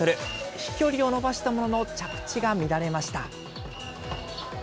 飛距離を伸ばしたものの、着地が乱れました。